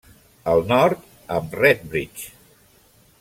Al nord amb Redbridge.